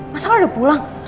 mas al udah pulang